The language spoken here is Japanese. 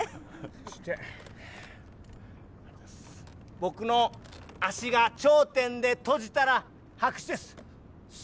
僕の脚が頂点で閉じたら拍手です。